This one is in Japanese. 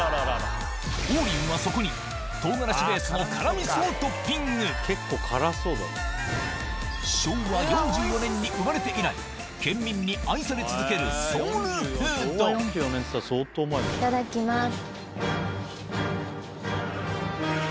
王林はそこに唐辛子ベースの辛みそをトッピング昭和４４年に生まれて以来県民に愛され続けるソウルフードいただきます。